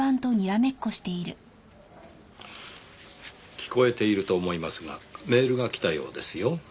聞こえていると思いますがメールが来たようですよ。